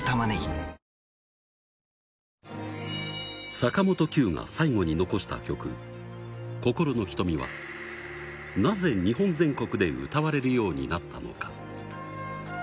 坂本九が最後に残した曲、心の瞳は、なぜ日本全国で歌われるようになったのか。